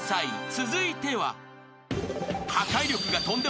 ［続いては］